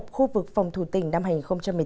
khu vực phòng thủ tỉnh đam hành một mươi tám